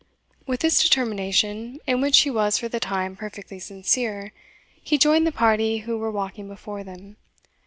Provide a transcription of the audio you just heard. With this determination, in which he was for the time perfectly sincere, he joined the party who were walking before them.